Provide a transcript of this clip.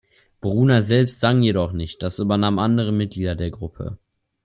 Bruner selbst sang jedoch nicht, das übernahmen andere Mitglieder der Gruppe.